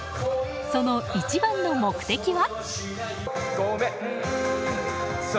その一番の目的は。